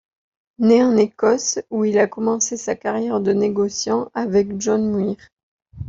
Né en Écosse, où il a commencé sa carrière de négociant avec John Muir.